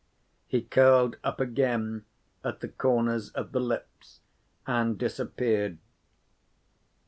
He curled up again at the corners of the lips, and disappeared.